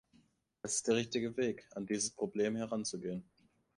Das ist der richtige Weg, an dieses Problem heranzugehen.